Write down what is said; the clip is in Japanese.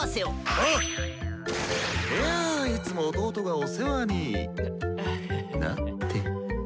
あっ⁉いやいつも弟がお世話になって。